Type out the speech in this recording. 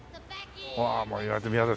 わあもう意外と見える。